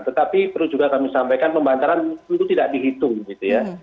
tetapi perlu juga kami sampaikan pembantaran tentu tidak dihitung gitu ya